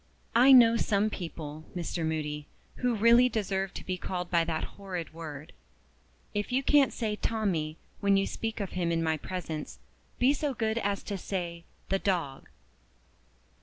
"I know some people, Mr. Moody, who really deserve to be called by that horrid word. If you can't say 'Tommie,' when you speak of him in my presence, be so good as to say 'the dog.